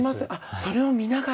それを見ながら。